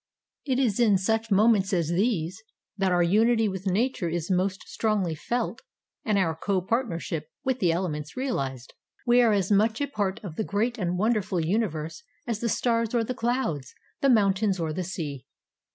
It is in such moments as these that our unity with Nature is most strongly felt and our co partnership with the elements realized. We are as much a part of the great and wonderful universe as the stars or the clouds, the mountains or the sea.